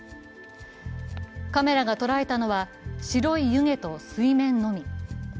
カメラが捉えたのは、白い湯気と水面のみ。